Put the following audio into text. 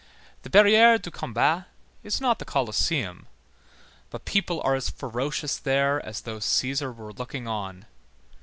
The Barrière du Combat is not the Coliseum, but people are as ferocious there as though Cæsar were looking on.